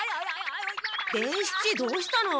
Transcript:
伝七どうしたの？